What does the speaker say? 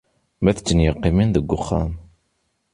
Ma d tin yeqqimen deg uxxam.